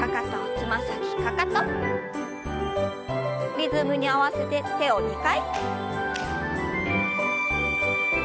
リズムに合わせて手を２回。